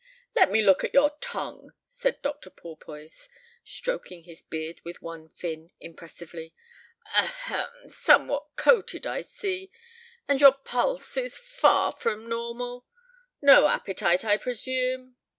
"Let me look at your tongue," said Dr. Porpoise, stroking his beard with one fin, impressively. "Ahem! somewhat coated, I see. And your pulse is far from normal; no appetite, I presume?